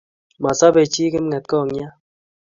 Masobei jii kipng'etkong'ia